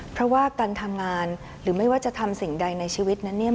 เพราะว่าการทำงานหรือไม่ว่าจะทำสิ่งใดในชีวิตนั้นเนี่ย